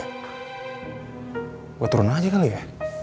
wah turun aja kali ya